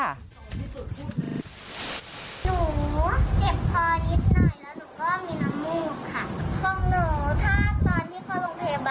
หนูเจ็บคอนิดหน่อยแล้วหนูก็มีน้ำมูกค่ะ